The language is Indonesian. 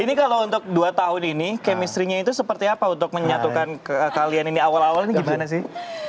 ini kalau untuk dua tahun ini chemistry nya itu seperti apa untuk menyatukan kalian ini awal awal ini gimana sih